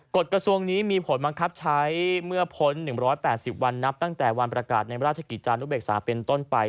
กฎกระทรวงนี้มีผลบังคับใช้เมื่อพ้น๑๘๐วันนับตั้งแต่วันประกาศในราชกิจจานุเบกษาเป็นต้นไป